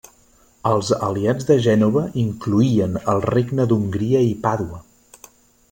Els aliats de Gènova incloïen el Regne d'Hongria i Pàdua.